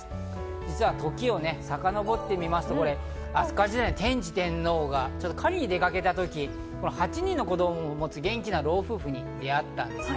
実は時をさかのぼってみますと、飛鳥時代、天智天皇が狩りに出かけたとき、８人の子供を持つ元気な老夫婦に出会ったんですね。